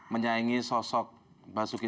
menyaingi sosok basuki